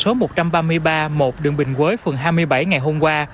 sự cố công trình tại số một trăm ba mươi ba một đường bình quế phường hai mươi bảy ngày hôm qua